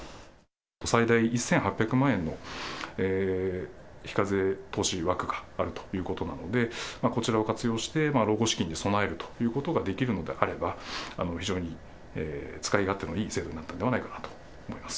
最大１８００万円の非課税投資枠があるということなので、こちらを活用して、老後資金に備えるということができるのであれば、非常に使い勝手のいい制度になったのではないかなと思います。